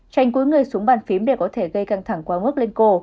trành cuối người xuống bàn phím để có thể gây căng thẳng quá mức lên cổ